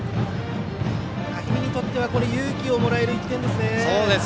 氷見にとっては勇気をもらえる１点ですね。